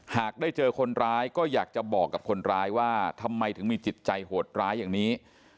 หากได้เจอคนร้ายก็อยากจะบอกกับคนร้ายว่าทำไมถึงมีจิตใจโหดร้ายอย่างนี้